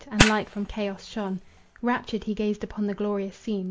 and light from chaos shone. Raptured he gazed upon the glorious scene.